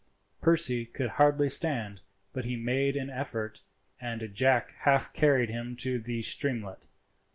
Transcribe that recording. Percy could hardly stand, but he made an effort, and Jack half carried him to the streamlet.